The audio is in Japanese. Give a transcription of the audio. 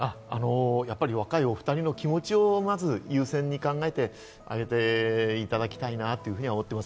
やっぱり若いお２人の気持ちをまず優先に考えてあげていただきたいなと思っています。